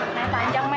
nenek panjang men